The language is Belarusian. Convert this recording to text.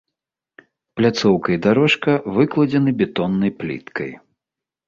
Пляцоўка і дарожка выкладзены бетоннай пліткай.